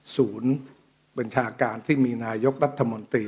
บัญชาการที่มีนายกรัฐมนตรี